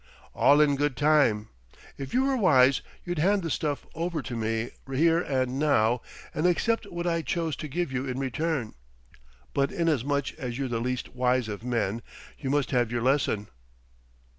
"All in good time: if you were wise, you'd hand the stuff over to me here and now, and accept what I chose to give you in return. But inasmuch as you're the least wise of men, you must have your lesson."